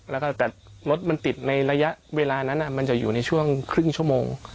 แล้วก็แต่รถมันติดในระยะเวลานั้นมันจะอยู่ในช่วงครึ่งชั่วโมง